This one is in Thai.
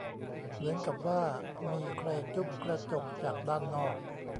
เหมือนกับว่ามีใครจุ๊บกระจกจากด้านนอก